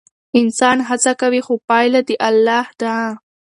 انسان هڅه کوي خو پایله د الله ده.